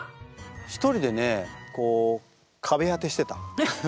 一人でねこう壁当てしてた。